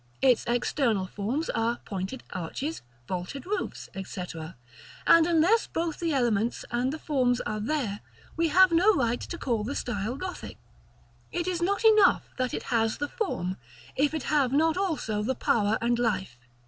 Its external forms are pointed arches, vaulted roofs, &c. And unless both the elements and the forms are there, we have no right to call the style Gothic. It is not enough that it has the Form, if it have not also the power and life.